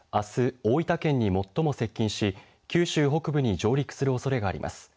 大分県に最も接近し、九州北部に上陸するおそれがあります。